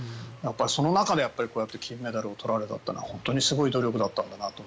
その中でこうやって金メダルを取られたというのは本当にすごい努力だったんだなと。